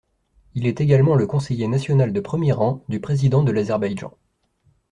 Il est également le conseiller national de premier rang du président de l’Azerbaïdjan.